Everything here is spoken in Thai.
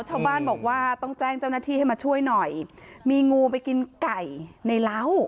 ชาวบ้านบอกว่าต้องแจ้งเจ้าหน้าที่ให้มาช่วยหน่อยมีงูไปกินไก่ในเล้า